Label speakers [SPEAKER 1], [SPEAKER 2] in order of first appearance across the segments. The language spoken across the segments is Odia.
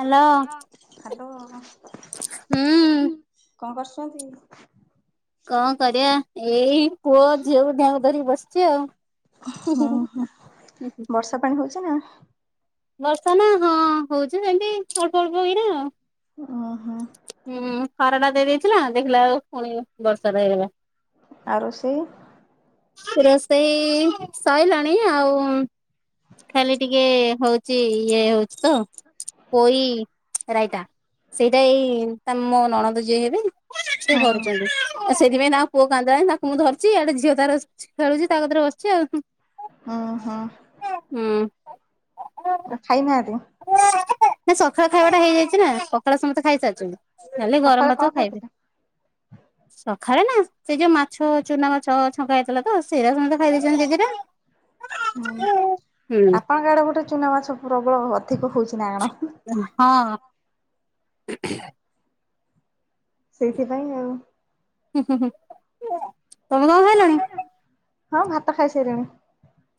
[SPEAKER 1] ହେଲୋ।
[SPEAKER 2] ହାଲୋ।
[SPEAKER 1] ହୁଁ,
[SPEAKER 2] କଣ କରୁଛନ୍ତି?
[SPEAKER 1] କଣ କରିବା? ଏଇ ପୁଅ ଝିଅ କୁ ଧ- ଧରିକି ବସିଛି ଆଉ।
[SPEAKER 2] ହଁ, ହଁ, ବର୍ଷା ପାଣି ହଉଛି ନା।
[SPEAKER 1] ବର୍ଷା ନା, ହଁ ହଉଛି ସେମିତି ଅଳ୍ପ ଅଳ୍ପ କିରା।
[SPEAKER 2] ଓ ହଁ।
[SPEAKER 1] ହୁଁ, ସାର ଟା ଦେଇଦେଇଥିଲା, ଦେଖିଲା ବେଳକୁ ପୁଣି ବର୍ଷାଟା ହେଇଗଲା।
[SPEAKER 2] ଆଉ ରୋଷେଇ?
[SPEAKER 1] ରୋଷେଇ ସଇଲାଣି ଆଉ ଖାଲି ଟିକେ ହଉଚି, ଇଏ ହଉଚି ତ ପୋଇ ରାଇତା। ସେଇଟା ଏଇ ମୋ ନଣଦ ଯିଏ ହେବ, ସିଏ
[SPEAKER 2] ହୁଁ
[SPEAKER 1] ଘରୁଛନ୍ତି। ଆଉ ସେଥିପାଇଁ ତାଙ୍କ ପୁଅ କାନ୍ଦିଲାଣି ତାକୁ ମୁଁ ଧରିଛି, ଇଆଡେ ଝିଅ ତାର ଖେଳୁଛି ତା କତିରେ ବସିଛି ଆଉ।
[SPEAKER 2] ହୁ ହଁ,।
[SPEAKER 1] ହୁଁ,।
[SPEAKER 2] ଖାଇନାହାନ୍ତି?
[SPEAKER 1] ସଖାଳ ଖାଇବାଟା ହେଇଯାଇଛି ନା, ସକାଳ ସମସ୍ତେ ଖାଇସାରିଛନ୍ତି। ଖାଲି, ଗରମ
[SPEAKER 2] ସକାଳେ କଣ
[SPEAKER 1] ଭାତକୁ
[SPEAKER 2] ଖାଇଥିଲେ?
[SPEAKER 1] ଖାଇବେ। ସକାଳେ ନା ସେ ଯୋଉ ମାଛ ଚୁନା ମାଛ ଛଙ୍କା ହେଇଥିଲା ତ, ସେଇରା ସମସ୍ତେ ଖାଇଦେଇଛନ୍ତି ଦି ଦି ଟା।
[SPEAKER 2] ହୁଁ ଆପଣଙ୍କ ଆଡେ ଗୋଟେ ଚୁନା ମାଛ ପ୍ରବଳ ଅଧିକ ହଉଚି ନା କଣ?
[SPEAKER 1] ହଁ।
[SPEAKER 2] ସେଇଥିପାଇଁ ଆଉ।
[SPEAKER 1] ହୁଁ- ହୁଁ -ହୁଁ ତମେ କଣ୍ ଖାଇଲଣି?
[SPEAKER 2] ହଁ ଭାତ ଖାଇସାଇଲିଣି।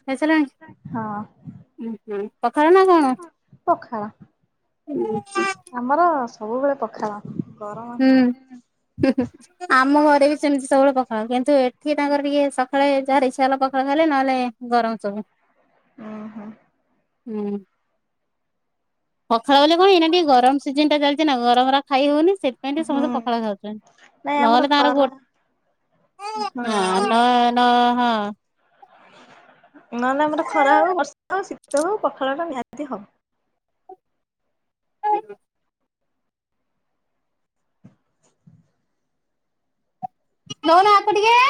[SPEAKER 1] ଖାଇସାଇଲଣି ହୁଁ -ପଖାଳ ନା କଣ?
[SPEAKER 2] ପଖାଳ।
[SPEAKER 1] ହୁ ହଁ।
[SPEAKER 2] ଆମର ସବୁବେଳେ ପଖାଳ। ଗରମ ନୁହଁ।
[SPEAKER 1] ହୁଁ- ହୁଁ-ହୁଁ। ଆମ ଘରେ ବି ସେମିତି ସବୁବେଳେ ପଖାଳ କିନ୍ତୁ ଏଠି ତାଙ୍କର ଟିକେ ସକାଳେ ଯାହାର ଇଚ୍ଛା ହେଲା ପଖାଳ ଖାଇଲେ ନହେଲେ ଗରମ୍ ସବୁ।
[SPEAKER 2] ଉହୁ।
[SPEAKER 1] ହୁଁ ପଖାଳ ବଲେ କଣ ଏଇନା ଟିକେ ଗରମ୍ ସିଜିନ୍ ଟା ଚାଲିଚି ନା ଗରମରା ଖାଇ ହଉନି ସେଥିପାଇଁ ଟିକେ
[SPEAKER 2] ହୁଁ
[SPEAKER 1] ସମସ୍ତେ ପଖାଳ ଖାଉଚନ୍ତି
[SPEAKER 2] ନାଇଁ ଆମର
[SPEAKER 1] ନହେଲେ ତାଙ୍କର
[SPEAKER 2] ଖରା
[SPEAKER 1] ଗୋଟ୍
[SPEAKER 2] ହଁ ଆଉ।
[SPEAKER 1] ନ- ହଁ।
[SPEAKER 2] ନହେଲେ ଆମର ଖରା ହଉ ବର୍ଷା ହଉ ଶୀତ ହଉ ପଖାଳ ଟା ନିହାତି ହବ।
[SPEAKER 1] [inaudible] ନଉନ ଆକୁ ଟିକିଏ।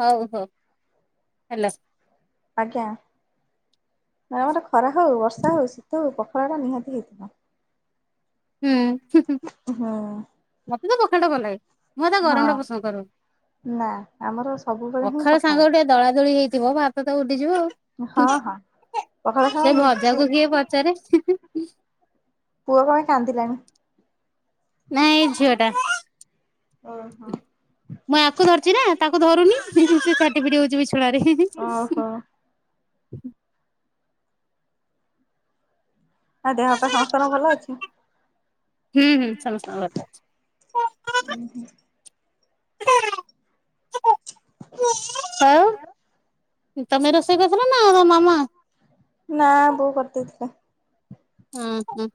[SPEAKER 1] ହଉ ହଉ ହାଲ।
[SPEAKER 2] ଆଜ୍ଞା ଆମର ଖରା ହଉ ବର୍ଷା ହଉ ଶୀତ ହଉ ପଖାଳଟା ନିହାତି ହେଇଥିବ।
[SPEAKER 1] ହୁଁ।
[SPEAKER 2] ଉଁ-ହଁ-ହଁ।
[SPEAKER 1] ମତେ ତ ପଖାଳଟା ଭଲଲାଗେ। ମତେ ଗରମ୍
[SPEAKER 2] ହଁ
[SPEAKER 1] ଟା ପସନ୍ଦ କରୁ
[SPEAKER 2] ନା ଆମର ସବୁବେଳେ ହିଁ
[SPEAKER 1] ପଖାଳ ସାଙ୍ଗଗୁ ଟିକେ ଦଳା ଦଳି ହେଇଥିବ ଭାତ ତ ଉଡିଯିବ ଆଉ। ହୁଁ
[SPEAKER 2] ହଁ ହଁ। ପଖାଳ
[SPEAKER 1] -ସେ
[SPEAKER 2] ସାଙ୍ଗରେ ନିଶ୍ଚି
[SPEAKER 1] ଭଜାକୁ କିଏ ପଚାରେ।
[SPEAKER 2] ପୁଅ କଣ ପାଇଁ କାନ୍ଦିଲାଣି।
[SPEAKER 1] ନାଇଁ ଏ ଝିଅ ଟା।
[SPEAKER 2] ଓହୋ।
[SPEAKER 1] ମୁଁ ୟାକୁ ଧରିଚି ନା ତାକୁ ଧରୁନି ହେଇଥିପାଇଁ ଛାଟିପିଟି ହଉଚି ବିଛଣାରେ।
[SPEAKER 2] ଓହୋ ଆ ଦେହ ପା ସମସ୍ତଙ୍କ ଭଲ ଅଛି।
[SPEAKER 1] ହୁଁ ହୁଁ
[SPEAKER 2] ଉଁ
[SPEAKER 1] ସମସ୍ତଙ୍କ ଭଲ ଅଛି।
[SPEAKER 2] ହୁଁ
[SPEAKER 1] ଆଁ ତମେ ରୋଷେଇ କରିଥିଲ ନା ତମ ମାମା?
[SPEAKER 2] ନା ବୋଉ କରିଦେଇଥିଲା।
[SPEAKER 1] ହଁ -ହୁଁ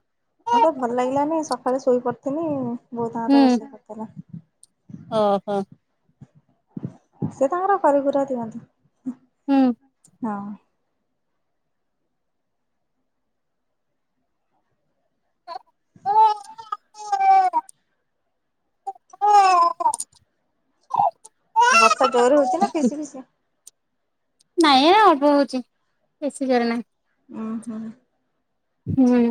[SPEAKER 2] ଆଉ ତ ଭଲ ଲାଗିଲାନି ସକାଳେ ଶୋଇପଡିଥିଲି ବଉ ତାଙ୍କର
[SPEAKER 1] ହୁଁ
[SPEAKER 2] ସେ ରୋଷେଇ କରିଦେଲେ।
[SPEAKER 1] ଓହୋ।
[SPEAKER 2] ସେ ତାଙ୍କର କରିକୁରା ଦିଅନ୍ତି।
[SPEAKER 1] ହୁଁ।
[SPEAKER 2] ହଁ।
[SPEAKER 1] [inaudible] ନାଇଁ
[SPEAKER 2] ବର୍ଷା ଜୋରରେ ହଉଛି ନା ଫିସି ଫିସି?
[SPEAKER 1] ନାଇଁ ଏ ଅଳ୍ପ ହଉଛି। ବେଶି ଜୋରେ ନାହିଁ।
[SPEAKER 2] ଉୁଁ -ହୁଁ।
[SPEAKER 1] ହୁଁ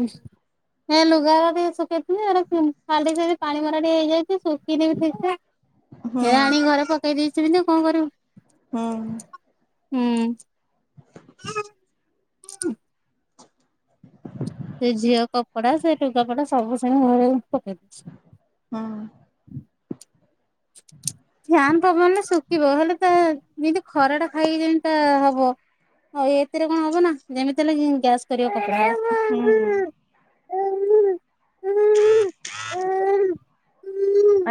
[SPEAKER 1] ହେଁ ଲୁଗା ଟିକେ ଶୁଖେଇଥିଲି, ଏଣେ [unintelligible] ପାଣି ମରା ଟିକେ ହେଇଯାଇଛି ଶୁଖୁନି ବି ଠିକ୍ ସେ
[SPEAKER 2] ହୁଁ
[SPEAKER 1] ହେରା ଆଣିକି ଘରେ ପକେଇ ଦେଇଚି। ତ କଣ କରିବୁ।
[SPEAKER 2] ହୁଁ
[SPEAKER 1] ହୁଁ- ଉଁ ସେ ଝିଅ କପଡା ସେ ଲୁଗାପଟା ସବୁ ସେମ ଘରେ ପକେଇ ଦଉଛି।
[SPEAKER 2] ହଁ
[SPEAKER 1] ଫ୍ୟାନ ପବନରେ ଶୁଖିବ। ହେଲେ ତା ଯେମିତି ଖରା ଟା ଖାଇକି ଯେମତା ହବ ହଇ ଏ ଏଥିରେ କଣ ହବ ନା? ଯେମିତି ହେଲେ ଗ୍ୟାସ କରିବ କପଡ଼ା।
[SPEAKER 2] ହୁଁ ହୁଁ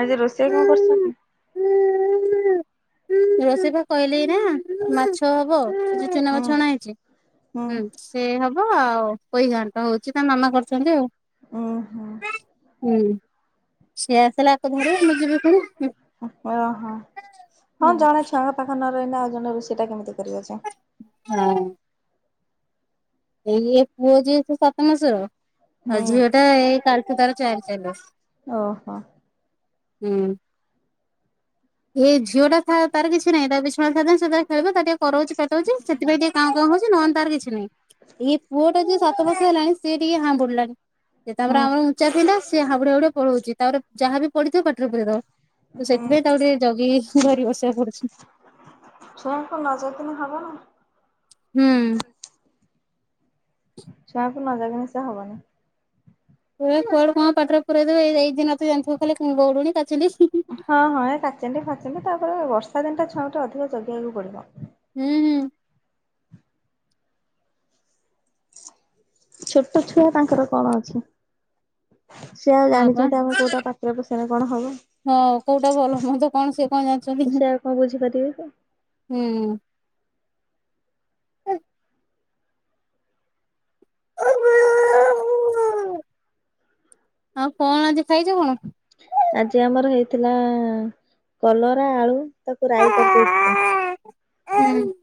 [SPEAKER 2] ଆଜି ରୋଷେଇ କଣ କରୁଛନ୍ତି?
[SPEAKER 1] ରୋଷେଇ ବା କହିଲେ ନା ମାଛ ହବ। ଯୋ ଚୁନାମାଛ
[SPEAKER 2] ହୁଁ
[SPEAKER 1] ଅଣା ହେଇଛି। ହୁଁ। ସେ ହବ ଆଉ ପୋଇ ଘାଣ୍ଟ ହଉଛି। ତା ମାମା କରୁଛନ୍ତି ଆଉ।
[SPEAKER 2] ଉଁ ହୁଁ।
[SPEAKER 1] ହୁଁ ସିଏ ଆସିଲା [unintelligible] ମୁଁ ଯିବି ପୁଣି
[SPEAKER 2] ଓହୋ।
[SPEAKER 1] ହୁଁ
[SPEAKER 2] ହଁ ଜଣେ ଛାଡ଼ ଖା ନ ରହିଲେ ଆଉ ଜଣେ ରୋଷେଇଟା କେମିତି କରିବ ଯେ?
[SPEAKER 1] ହଁ ଏଇ ପୁଅ ଯେହେତୁ ସାତ ମାସର।
[SPEAKER 2] ହୁଁ।
[SPEAKER 1] ଆଉ ଝିଅ ଟା ଏଇ କାଲିଠୁ ତାର ଚାରି ଚାଲିବ।
[SPEAKER 2] ଓହୋ।
[SPEAKER 1] ହୁଁ ଏ ଝିଅ ଟା ଥାଉ ତାର କିଛି ନାଇଁ। ତା ବି ସଦସୁଧାନ ସେ ଖେଳିବ ତା ଟିକେ କରାଉଛି ପେଟଉଛି
[SPEAKER 2] ହୁଁ
[SPEAKER 1] ସେଥିପାଇ ଟିକେ କାଁଉ କାଉଁ ହଉଛି ନହଲେ ତାର କିଛି ନାହିଁ। ଏଇ ପୁଅ ଟା ଯେ ସାତ ବର୍ଷ ହେଲାଣି ସି ଟିକେ ହମ୍ବୁଡ଼ିଲା। ସେ ତାପରେ ଆଉ ଉଁଚା ଥିଲା ସେ ହାମ୍ବୁଡ଼ି ହାମ୍ବୁଡ଼ି ପଳଉଚି। ତାପରେ ଯାହାବି ପଢିଥିବ ପାଟିରେ ପୁରେଇଦେବ। ତ
[SPEAKER 2] ହୁଁ।
[SPEAKER 1] ସେଥିପାଇଁ ତାକୁ ଟିକେ ଜଗିକି ଧରି ବସିବାକୁ ପଡୁଛି।
[SPEAKER 2] ଛୁଆଙ୍କୁ ନ ଜଗିଲେ ହବ।
[SPEAKER 1] ହୁଁ
[SPEAKER 2] ଛୁଆଙ୍କୁ ନଜଗିଲେ ସେ ହବନି।
[SPEAKER 1] କିଏ କୁଆଡ଼ୁ କଣ ପାଟରେ ପୁରଇ ଦେବ ଏଇଠି ନଥିବେ ଜାଣିଥିବ ଖାଲି ଗୈଡ଼ୁଣି କାଚିଣ୍ଡି
[SPEAKER 2] ହଁ, ହଁ ଏକାଚେଣ୍ଡି ଫାଚେଣ୍ଡି ତାପରେ ବର୍ଷା ଦିନଟା ଛୁଆଙ୍କୁ ଟିକେ ଅଧିକା ଜଗିବାକୁ ପଡ଼ିବ।
[SPEAKER 1] ହୁଁ, ହୁଁ।
[SPEAKER 2] ଛୋଟ ଛୁଆ ତାଙ୍କର କଣ ଅଛି? ସିଏ ଆଉ
[SPEAKER 1] ହଁ ପା
[SPEAKER 2] ଜାଣିଚନ୍ତି ଆମେ କୋଉଟା ପାଟିରେ ପସେଇଲେ କଣ ହବ?
[SPEAKER 1] ହଁ କୋଉଟା ଭଲ ମନ୍ଦ କଣ ସିଏ କଣ
[SPEAKER 2] ସେ
[SPEAKER 1] ଜାଣିଚନ୍ତି
[SPEAKER 2] ଆଉ କଣ ବୁଝିପାରିବେ କି?
[SPEAKER 1] ହୁଁ। ଆଉ କଣ ଆଜି ଖାଇଚ କଣ?
[SPEAKER 2] ଆଜି ଆମର ହେଇଥିଲା କଲରା ଆଳୁ ତାକୁ ରାଇ କରିଦେଇଥିଲେ।
[SPEAKER 1] ହୁଁ।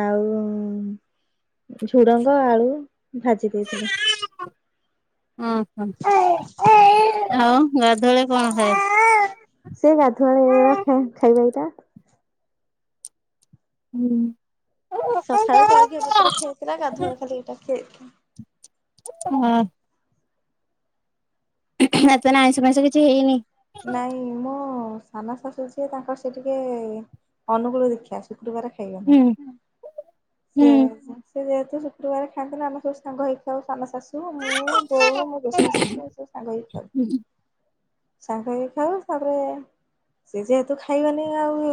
[SPEAKER 2] ଆଉ ଝୁଡ଼ଙ୍ଗ ଆଳୁ ଭାଜି ଦେଇଥିଲେ।
[SPEAKER 1] ଓହୋ ଆଉ ଗାଧୁଆଳେ କଣ ଖାଇବ?
[SPEAKER 2] ସେ ଗାଧୁଆବେଳେ ଏଇପା ଖାଇବା ଏଇଟା।
[SPEAKER 1] ହୁଁ।
[SPEAKER 2] ସକାଳେ ଜଳଖିଆ ପତ୍ର ଖିଆଇଥିଲା ଗାଧୁଆଳେ ଖାଲି ଏଇଟା ଖିଆଇଥିଲା।
[SPEAKER 1] ହଁ ଅଁ ତାହାନେ ଆଇଁଷ ଫାଇଁସ କିଛି ହେଇନି?
[SPEAKER 2] ନାଇଁ ମୋ ସାନ ଶାଶୁ ସିଏ, ତାଙ୍କର ସେଟିକେ ଅନୁକୂଳ ଦିକ୍ଷା, ଶୁକ୍ରବାର ଖାଇବେନି
[SPEAKER 1] ହୁଁ
[SPEAKER 2] ସିଏ
[SPEAKER 1] ହୁଁ।
[SPEAKER 2] ସେ ଯେହେତୁ ଶୁକ୍ରବାର ଖାଆନ୍ତି, ଆମେ ସବୁ ସାଙ୍ଗ ହେଇ ଖାଉ ସାନ ଶାଶୁ, ମୁଁ, ବୋଉ, ମୋ ଗୋସେଇଁ ଶାଶୁ ଆମେ ସବୁ ସାଙ୍ଗହୋଇ ଖାଉ। ସାଙ୍ଗହୋଇ ଖାଉ ତାପରେ ସେଯେହେତୁ ଖାଇବେନି ଆଉ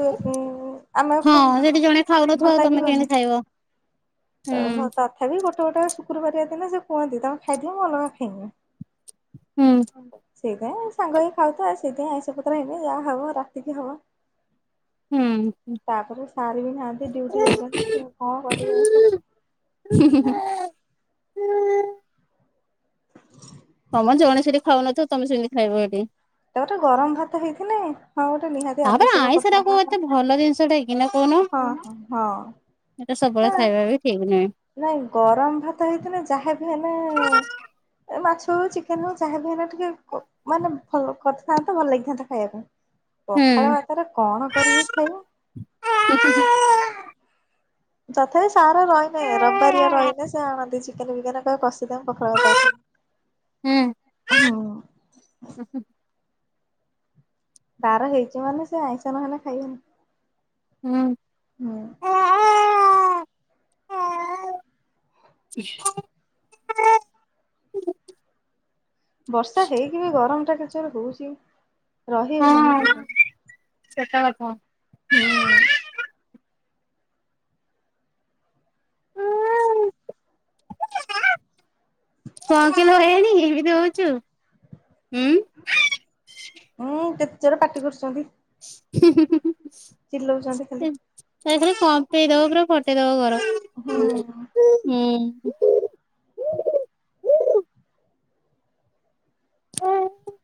[SPEAKER 2] ଆମେ ଆଉ ଖାଇବୁ
[SPEAKER 1] ହଁ
[SPEAKER 2] କି
[SPEAKER 1] ସେହେଠି ଜଣେ ଖାଉନଥିବ ଆଉ ତମେ କେମିତି ଖାଇବ? ହୁଁ
[SPEAKER 2] ଅଁ ହଁ ତା ତଥାପି ଗୋଟେ ଗୋଟେ ଶୁକ୍ରବାରିଆ ଦିନ ସେକୁହନ୍ତି ତମେ ଖାଇଦିଅ ମୁଁ ଅଲଗା ଖାଇମି।
[SPEAKER 1] ହୁଁ।
[SPEAKER 2] ସେଇଥିପାଇଁ ସାଙ୍ଗ ହେଇ ଖାଉତ, ଆଉ ସେଇଥିପାଇଁ ଆଇଁଷ ପତ୍ର ହବ, ଯାହା ହବ ରାତିକି ହବ।
[SPEAKER 1] ହୁଁ।
[SPEAKER 2] ତାପରେ ସାରବି ନାଆନ୍ତି ଡ୍ୟୁଟି ଯାଇଚନ୍ତି, କଣ କରିବୁ ଆଇଁଷ।
[SPEAKER 1] ହୁଁ ହୁଁ ହୁଁ ହୁ ହଁମ ଜଣେ ସେଠି ଖାଉନଥବ, ତମେ ସେମିତି ଖାଇବ ସେଠି?
[SPEAKER 2] ତାପରେ ଗରମ ଭାତ ହେଇଥିନେ ହଁ ଗୋଟେ ନିହାତି
[SPEAKER 1] ତାପରେ
[SPEAKER 2] ଆବଶ୍ୟକ
[SPEAKER 1] ଆଇଁଷଟା କୋଉ ଏତେ
[SPEAKER 2] ପଡ଼ିଥାନ୍ତା।
[SPEAKER 1] ଭଲ ଜିନିଷଟା କି ନା କହୁନ?
[SPEAKER 2] ହଁ ହଁ।
[SPEAKER 1] ଏଟା ସବୁବେଳେ
[SPEAKER 2] ନା
[SPEAKER 1] ଖାଇବାବି ଠିକ୍ ନୁହେଁ।
[SPEAKER 2] ନାଇଁ ଗରମ ଭାତ ହେଇଥିନେ ଯାହାବି ହେନେ ଏମାଛ ହଉ ଚିକେନ୍ ହଉ ଚାହିଁବି ହେନେ ଟିକେ କ ମାନେ ଭଲ କରିଥାନ୍ତା ଭଲ ଲାଗିଥାନ୍ତା ଖାଇବାପାଇଁ, ପଖାଳ ଭାତରେ କଣ କରିକି
[SPEAKER 1] ହୁଁ।
[SPEAKER 2] ଖାଇମୁ
[SPEAKER 1] [unintelligible]
[SPEAKER 2] ତଥାପି ସାର୍ ରହିନେ ରବିବାରିଆ ରହିନେଁ ସେ ଆଣନ୍ତି ଚିକେନ୍ ଫିକେନ୍ କହିବେ କଷିଦବ ମୁଁ ପଖାଳ ଭାତରେ [unintelligible] [inaudible]
[SPEAKER 1] ହୁଁ।
[SPEAKER 2] ଅଁ ହଁ।
[SPEAKER 1] [unintelligible]
[SPEAKER 2] ବାର ହେଇଚି ମାନେ, ସେଆଇଁଷ ନହେନେ ଖାଇବେନି, ହୁଁ।
[SPEAKER 1] [unintelligible]
[SPEAKER 2] ବର୍ଷା ହେଇକି ବି ଗରମ ଟା କେତେଯୋର ହଉଛି, ରହି ହଉନି ଟୋଟାଲୀ
[SPEAKER 1] ସେଟେବେଳେ କଣ? [unintelligible]
[SPEAKER 2] ହୁଁ ଉଁ
[SPEAKER 1] କଣ କିଲୋ ବାଇଆଣି ଏମିତି ହଉଛୁ, ଉଁ
[SPEAKER 2] ହୁଁ କେତେ ଜୋରେ ପାଟି କରୁଛନ୍ତି। ହୁଁ ହୁଁ ଚିଲଉଛନ୍ତି ଖାଲି।
[SPEAKER 1] ଏ ଥରେ କମ୍ପେଇପୁରା, ଫଟେଇଦବ
[SPEAKER 2] ହୁଁ।
[SPEAKER 1] ଘର। ଉଁ ଓ [unintelligible]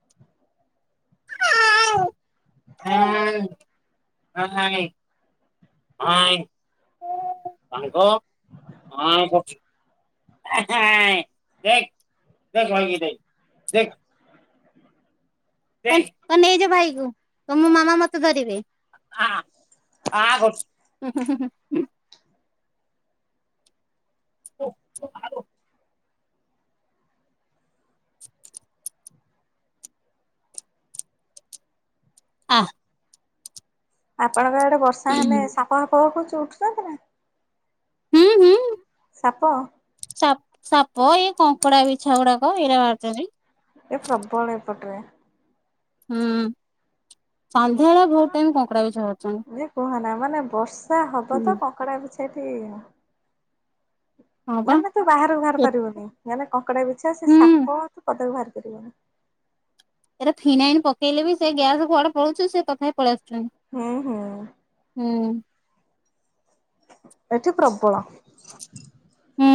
[SPEAKER 1] ହ ହଏ ହଏ। [unintelligible] ସାଙ୍ଗ [unintelligible] ଦେଖ ଦେଖ ଦେ ଦେଖ [unintelligible] ଏଇ ନେଇଯ ଭାଇ କୁ, ତମ ମୋ ମାମା ମତେ ଧରିବେ। ଆ କରୁଚି ହୁଁ ହୁଁ ହୁଁ। [unintelligible] ଆ
[SPEAKER 2] ଆପଣଙ୍କ ଆଡେ ବର୍ଷା ହେଲେ ସାପ ଫାପ ଖୁଛି ଉଠୁଛନ୍ତି ନା? ସାପ?
[SPEAKER 1] ସା ସାପ, ଏଇ କଙ୍କଡା ବିଛା ଗୁଡାକ ଏଇଟା ବାହାରୁ ଛନ୍ତି।
[SPEAKER 2] ଏ ପ୍ରବଳ ଏଇପଟରେ।
[SPEAKER 1] ହୁଁ, ସନ୍ଧ୍ୟା ବେଳେ ବହୁତ ଟାଇମ କଙ୍କଡା ବିଛା ବାହାରୁ ଛନ୍ତି।
[SPEAKER 2] ଯେ କୁହନା ମାନେ ବର୍ଷା ହବ ତ କଙ୍କଡ଼ା ବିଛା ଟି
[SPEAKER 1] ହଁ ପା
[SPEAKER 2] ମାନେ ତୁ ବାହାରକୁ ବାହାରି ପାରିବୁନି ମାନେ କଙ୍କଡା ବିଛା ସେ
[SPEAKER 1] ହୁଁ
[SPEAKER 2] ସାପ ତୁ ପଦାକୁ ବାହାରି ପାରିବୁନି।
[SPEAKER 1] ଏଇରା ଫିନାଇନ ପକେଇଲେ ବି ସେ ଗ୍ୟାସ କୁଆଡେ଼ ପଳଉଛୁ ସେ ତଥାପି ପଳିଆସୁଛନ୍ତି।
[SPEAKER 2] ହୁଁ ହୁଁ।
[SPEAKER 1] ହୁଁ।
[SPEAKER 2] ଏଠି ପ୍ରବଳ।
[SPEAKER 1] ହୁଁ।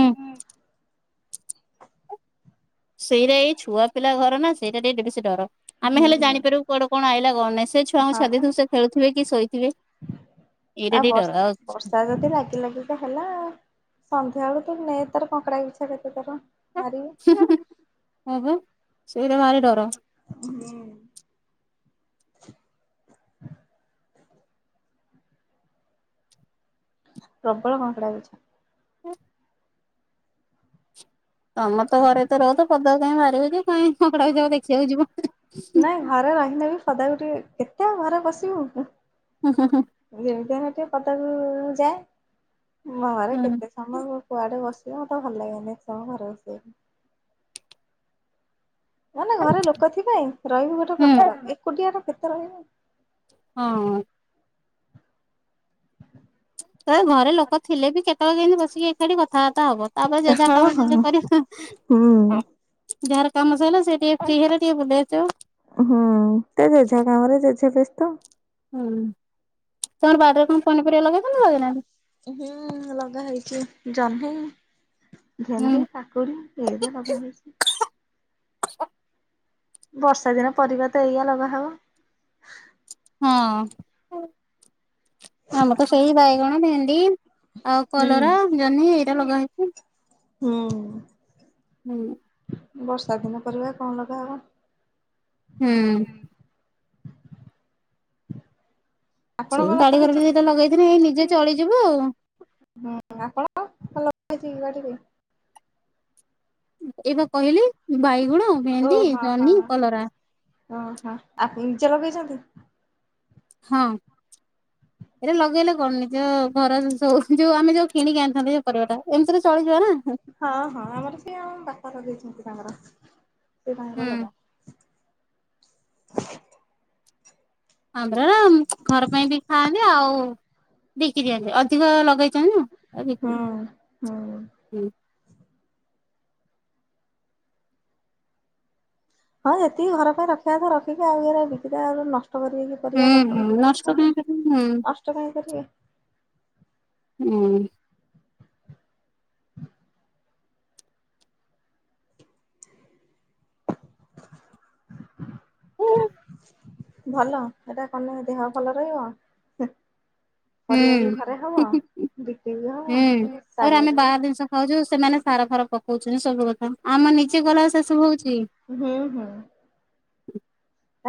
[SPEAKER 1] ସେଇରା ଏଇ ଛୁଆ ପିଲା ଘର ନା, ସେଇଟା ଟିକେ ବେଶୀ ଡର, ଆମେ
[SPEAKER 2] ହୁଁ
[SPEAKER 1] ହେଲେ
[SPEAKER 2] ହଁ
[SPEAKER 1] ଜାଣିପାରିବୁ କୁଆଡେ କଣ ଆଇଲା କଣ ନାଇ ସେ ଛୁଆଙ୍କୁ ଛାଡିଦେଇଥିବୁ, ସେ ଖେଳୁଥିବେ କି ଶୋଇଥିବେ? ଏଇଟା
[SPEAKER 2] ଆ
[SPEAKER 1] ଟିକେ
[SPEAKER 2] ବର୍ଷ,
[SPEAKER 1] ଡର
[SPEAKER 2] ବର୍ଷା ଯଦି ଲାଗିଲାଗି ସେ ହେଲା ସନ୍ଧ୍ୟାବେଳୁ ତୁ ନେଇ ତାର କଙ୍କଡ଼ା ବିିଛା କେତେ ଥର ମାରିବେ।
[SPEAKER 1] ହୁଁ ହୁଁ ଉଁ ହୁଁ ସେଇରା ଭାରି ଡର।
[SPEAKER 2] ହ [unintelligible] ପ୍ରବଳ କଙ୍କଡ଼ା ବିଛା।
[SPEAKER 1] ହୁଁ। ତମେ ତ ଘରେ ଭିତରେ ରହୁଛ ପଦା କାଇଁ ବାହାରିକି କାଇଁ କଙ୍କଡ଼ା ବିଛା କୁ ଦେଖିବାକୁ ଯିବ।
[SPEAKER 2] ନାଇଁ ଘରେ ରହିଲେବି ସଦାବେଳେ ଟିକେ କେତେ ଆଉ ଘରେ ବସିବୁ।
[SPEAKER 1] ହୁଁ [unintelligible]
[SPEAKER 2] ଯେମିତି ସେ [unintelligible] ତ ଯାଏ ମୋର
[SPEAKER 1] ହୁଁ
[SPEAKER 2] କେତେ ତମର କୁଆଡେ ବସିବ ମତେ ଭଲ ଲାଗେନ ଏତେ ସମ ଘରେ ବସିବାକୁ। ମାନେ ଘରେ ଲୋକ ଥିବେ ରହିବୁ ଗୋଟେ
[SPEAKER 1] ହୁଁ
[SPEAKER 2] ପ୍ରକାର ଏକୁଟିଆର କେତେ ରହିବୁ?
[SPEAKER 1] ହଁ। ତ ଘରେ ଲୋକ ଥିଲେ ବି କେତେବେଳେ କେମତି ବସ ସି ଏକାଠି କଥାବାର୍ତ୍ତା ହବ ତାପରେ ଯେଝା
[SPEAKER 2] ହଁ
[SPEAKER 1] କାମ ଯେଝା
[SPEAKER 2] ହଁ
[SPEAKER 1] କରିବ।
[SPEAKER 2] ହୁଁ
[SPEAKER 1] ଯାହାର କାମ ସରିଲା ସେ ଟିକେ ଫ୍ରି ହେଲେ ଟିକେ ବୁଲି ଆସିବ।
[SPEAKER 2] ହୁଁ ତ ଜେଝା କାମରେ ଜେଝା ବ୍ୟସ୍ତ।
[SPEAKER 1] ହୁଁ, ତମର ବାଡ଼ିରେ କଣ ପନିପରିବା ଲଗେଇଛନ୍ତି ନାଁ ଲଗେଇ ନାହାଁନ୍ତି?
[SPEAKER 2] ହୁଁ ଲଗା ହେଇଛି ଜହ୍ନି
[SPEAKER 1] ହୁଁ
[SPEAKER 2] ଭେଣ୍ଡି କା ପୁରୀ ଏଇଟା ଲଗା ହେଇଚି।
[SPEAKER 1] [unintelligible]
[SPEAKER 2] ବର୍ଷା ଦିନ ପରିବା ତ ଏଇଆ ଲଗାହବ।
[SPEAKER 1] ହଁ
[SPEAKER 2] [inaudible]
[SPEAKER 1] ଆମର ତ ସେଇ ବାଇଗଣ, ଭେଣ୍ଡି ଆଉ
[SPEAKER 2] ହୁଁ
[SPEAKER 1] କଲରା, ଜହ୍ନି ଏଇରା ଲଗାହେଇଚି।
[SPEAKER 2] ହୁଁ
[SPEAKER 1] ହୁଁ।
[SPEAKER 2] ବର୍ଷା ଦିନ ପରିବା କଣ ଲଗା ହବ?
[SPEAKER 1] ହୁଁ। ସେଇ
[SPEAKER 2] ଆପଣଙ୍କର
[SPEAKER 1] ବାଡିଘର ବି
[SPEAKER 2] ଲଗେଇଛନ୍ତି?
[SPEAKER 1] ଦିଇଟା ଲଗେଇଥିନେ ହେଇ ନିଜେ ଚଳିଯିବୁ ଆଉ।
[SPEAKER 2] ହୁଁ ଆପଣ କଣ ଲଗାହେଇଛିକି ବାଡ଼ିରେ?
[SPEAKER 1] ଏଇପା କହିଲି ବାଇଗଣ,
[SPEAKER 2] ଓ
[SPEAKER 1] ଭେଣ୍ଡି,
[SPEAKER 2] ହଁ
[SPEAKER 1] ଜହ୍ନି,
[SPEAKER 2] ହଁ।
[SPEAKER 1] କଲରା।
[SPEAKER 2] ଓହୋ, ଆପ୍ ନିଜେ ଲଗେଇଚନ୍ତି?
[SPEAKER 1] ହଁ, ଏରା ଲଗେଇଲେ କଣ, ନିଜ ଘର [unintelligible] ଯଉ ଆମେ ଯଉ କିଣିକି ଆଣିଥାନ୍ତେ ଜଉ ପରିବା ଟା ଏମତିରେ ଚଳିଯବ ନା।
[SPEAKER 2] ହଁ ହଁ, ଆମର ସେଇ ଆମ ବାପା ଲଗେଇଚନ୍ତି ତାଙ୍କର, ସେ ତାଙ୍କର
[SPEAKER 1] ହୁଁ
[SPEAKER 2] ଲଗା
[SPEAKER 1] ହଁ ପରା ଘର ପାଇଁ ବି ଖାଆନ୍ତି ଆଉ ବିକି ଦିଅନ୍ତି ଅଧିକ ଲ
[SPEAKER 2] ହୁଁ ହୁଁ।
[SPEAKER 1] ହୁଁ
[SPEAKER 2] ହଁ ଯେତିକି ଘର ପାଇଁ ରଖିବା କଥା ରଖିକି, ଆଉ ଏରା ବିକିଦେବା, ଆଉ ନଷ୍ଟ କରିବେ କି? ପରିବା କଷ୍ଟ
[SPEAKER 1] ହୁଁ
[SPEAKER 2] କରିକି
[SPEAKER 1] ନଷ୍ଟ କାହିଁ
[SPEAKER 2] କରିଚନ୍ତି,
[SPEAKER 1] କରିବୁ ହୁଁ
[SPEAKER 2] ନଷ୍ଟ କାଇଁ କରିବେ?
[SPEAKER 1] ହୁଁ।
[SPEAKER 2] [unintelligible]
[SPEAKER 1] ହୁଁ
[SPEAKER 2] ଭଲ ହେଟା କନେ ଦେହ ଭଲ ରହିବ? ହେଁ ପରିବା ବି
[SPEAKER 1] ହୁଁ
[SPEAKER 2] ଘରେ ହବ, [unintelligible] ବି ହବ, [unintelligible]
[SPEAKER 1] ଆଉ ଯଉ ସେମାନେ ସାର ଫାର ପକଉଚନ୍ତି ସବୁ କଥା, ଆମର ନିଜେ କଲା ବେଳକୁ ସେସବୁ ହଉଚି?
[SPEAKER 2] ହୁଁ ହୁଁ।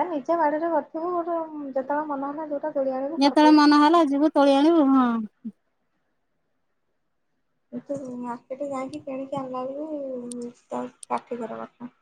[SPEAKER 2] ଏ ନିଜେ ବାଡିରେ କରିଥିବୁ ଗୋଟେ, ଯେତେବେଳେ ମନ ହେଲା ଯୋଉଟା ତୋଳି ଆଣିବୁ
[SPEAKER 1] ଯେତେବେଳେ ମନ
[SPEAKER 2] କରିଦବୁ
[SPEAKER 1] ହେଲା ଯିବୁ ତୋଳି ଆଣିବୁ, ହଁ।
[SPEAKER 2] ଏଠୁ ମାର୍କେଟ ଯାଇକି କିଣିକି ଆଣିଲା ବେଳକୁ ତା କାଠିକର କଥା।